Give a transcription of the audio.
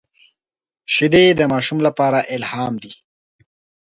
شیدې د ماشوم لپاره الهام دي